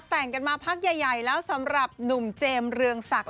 แต่งกันมาพักใหญ่แล้วสำหรับหนุ่มเจมส์เรืองศักดิ์